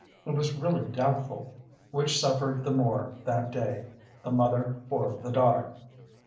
It was really doubtful which suffered the more that day, the mother or the daughter.